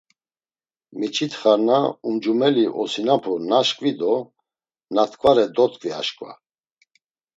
Miç̌itxar na; umcumeli osinapu naşǩvi do na t̆ǩvare dot̆ǩvi aşǩva.